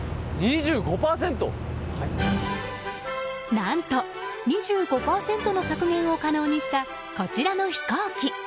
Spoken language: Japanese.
何と２５％の削減を可能にしたこちらの飛行機。